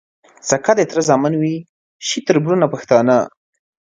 سکه د تره زامن وي شي تــربـــرونـه پښتانه